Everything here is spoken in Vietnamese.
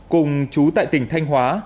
cùng chú tại tỉnh thanh hóa